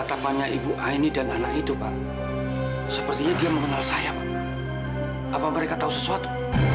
tapi dia mengenal saya apa mereka tahu sesuatu